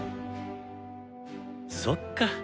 そっか！